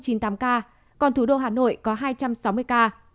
còn thủ đô hà nội có hai trăm sáu mươi ca